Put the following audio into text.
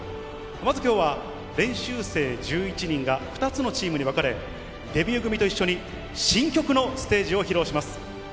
まずきょうは、練習生１１人が２つのチームに分かれ、デビュー組と一緒に新曲のステージを披露します。